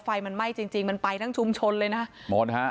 ไฟมันไหม้จริงจริงมันไปทั้งชุมชนเลยนะหมดฮะ